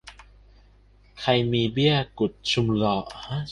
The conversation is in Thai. ใครมีเบี้ยกุดชุมลอ